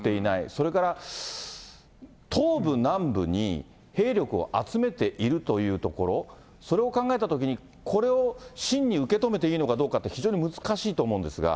それから東部、南部に兵力を集めているというところ、それを考えたときにこれを真に受け止めていいのかどうかって、非そうですね。